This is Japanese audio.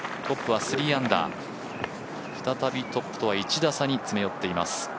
トップは３アンダー、再びトップとは１打差に詰め寄っています。